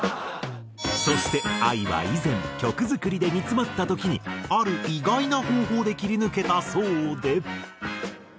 そしてＡＩは以前曲作りで煮詰まった時にある意外な方法で切り抜けたそうで。